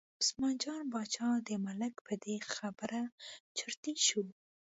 عثمان جان باچا د ملک په دې خبره چرتي شو.